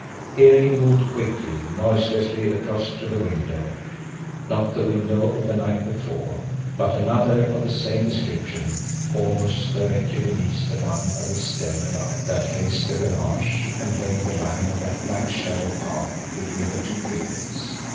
Here he moved quickly, noiselessly across to the window not the window of the night before, but another of the same description, almost directly beneath the one in his den above, that faced the garage and lay in the line of that black shadow path between the two buildings.